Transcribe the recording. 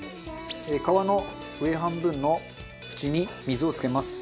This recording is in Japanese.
皮の上半分の縁に水をつけます。